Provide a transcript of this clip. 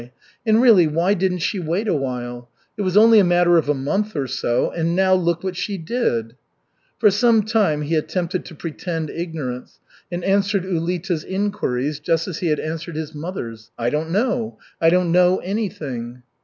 "And really why didn't she wait a while! It was only a matter of a month or so, and now, look what she did!" For some time he attempted to pretend ignorance, and answered Ulita's inquiries just as he had answered his mother's, "I don't know, I don't know anything."